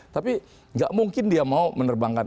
tapi nggak mungkin dia mau menerbangkan